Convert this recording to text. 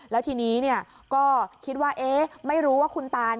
แล้วทีนี้ก็คิดว่าไม่รู้ว่าคุณตา